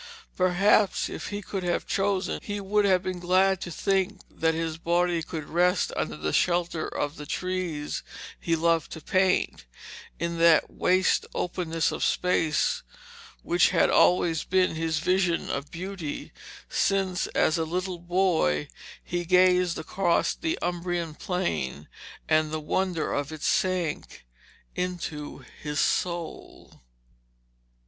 Perhaps if he could have chosen, he would have been glad to think that his body should rest under the shelter of the trees he loved to paint, in that waste openness of space which had always been his vision of beauty, since, as a little boy, he gazed across the Umbrian Plain, and the wonder of it sank into his soul.